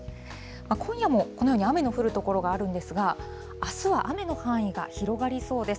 今夜もこのように雨の降る所があるんですが、あすは雨の範囲が広がりそうです。